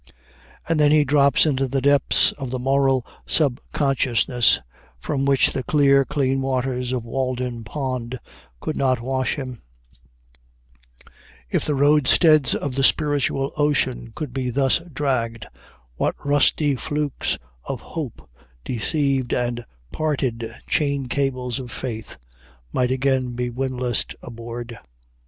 And then he drops into the depths of the moral subconsciousness from which the clear, clean waters of Walden Pond could not wash him: "If the roadsteads of the spiritual ocean could be thus dragged, what rusty flukes of hope deceived and parted chain cables of faith might again be windlassed aboard!